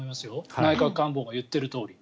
内閣官房が言っているとおり。